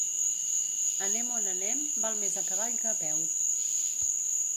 Anem on anem, val més a cavall que a peu.